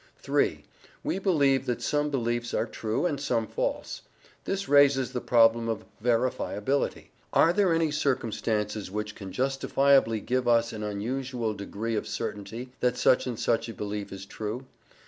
III. We believe that some beliefs are true, and some false. This raises the problem of VERIFIABILITY: are there any circumstances which can justifiably give us an unusual degree of certainty that such and such a belief is true?